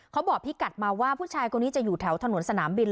เขาบอกพี่กัดมาว่าผู้ชายคนนี้จะอยู่แถวถนนสนามบิน